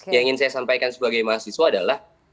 yang ingin saya sampaikan sebagai mahasiswa adalah